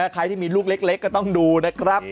ใครที่มีลูกเล็กก็ต้องดูนะครับ